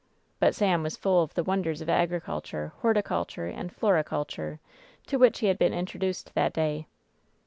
But Sam was full of the wonders of agriculture, hor ticulture and floriculture to which he had been intro duced that day.